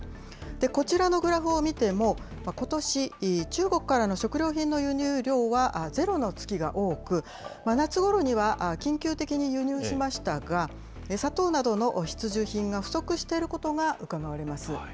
こちらのグラフを見ても、ことし、中国からの食料品の輸入量はゼロの月が多く、夏ごろには緊急的に輸入しましたが、砂糖などの必需品が不足していることがうかがわれます。